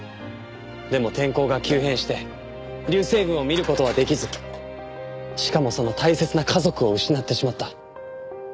でも天候が急変して流星群を見る事はできずしかもその大切な家族を失ってしまった。